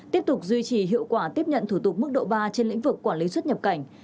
tiếp tục duy trì hiệu quả tiếp nhận thủ tục mức độ ba trên lĩnh vực quản lý xuất nhập cảnh